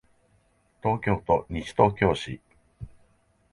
東京都西東京市